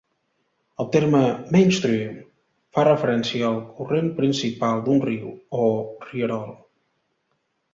El terme "mainstream" fa referència al corrent principal d'un riu o rierol.